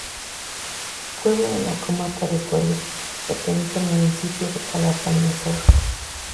Pueblo de la Comarca de Soria que pertenece al municipio de Calatañazor.